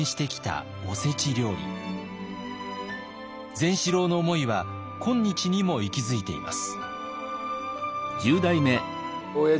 善四郎の思いは今日にも息づいています。